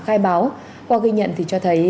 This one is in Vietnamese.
khai báo qua ghi nhận thì cho thấy